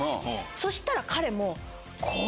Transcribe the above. そしたら彼も。